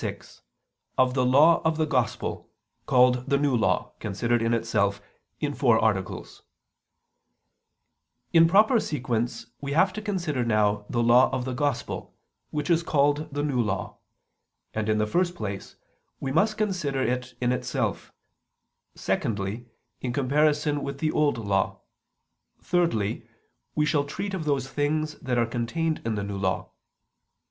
________________________ QUESTION 106 OF THE LAW OF THE GOSPEL, CALLED THE NEW LAW, CONSIDERED IN ITSELF (In Four Articles) In proper sequence we have to consider now the Law of the Gospel which is called the New Law: and in the first place we must consider it in itself; secondly, in comparison with the Old Law; thirdly, we shall treat of those things that are contained in the New Law.